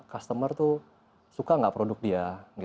customer tuh suka nggak produk dia